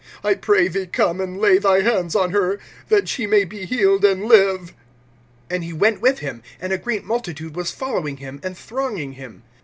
I pray thee come, and lay thy hands on her, that she may be healed and live. (24)And he went with him; and a great multitude was following him, and thronging him.